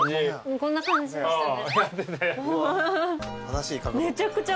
こんな感じでしたね。